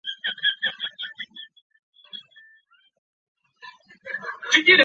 高速道路一般国道主要地方道一般县道